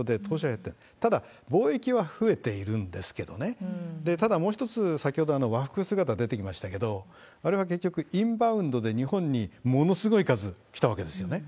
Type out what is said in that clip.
でも貿易は増えているんですけどね、ただ、もう一つ、先ほど和服姿出てきましたけれども、あれは結局インバウンドで、日本にものすごい数来たわけですよね。